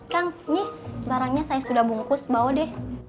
kang ini barangnya saya sudah bungkus bawa deh